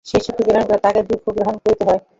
যে সুখকে গ্রহণ করে, তাহাকে দুঃখও গ্রহণ করিতে হয়।